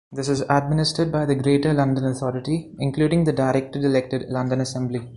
This is administered by the Greater London Authority, including the directly elected London Assembly.